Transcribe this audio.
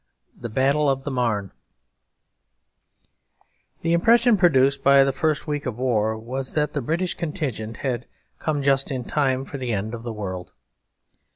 X The Battle of the Marne The impression produced by the first week of war was that the British contingent had come just in time for the end of the world.